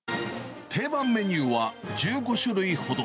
定番メニューは、１５種類ほど。